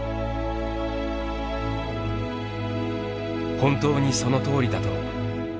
本当にそのとおりだと「僕」も思う。